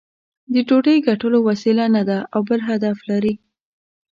د ډوډۍ ګټلو وسیله نه ده او بل هدف لري.